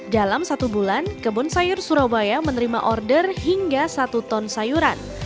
dalam satu bulan kebun sayur surabaya menerima order hingga satu ton sayuran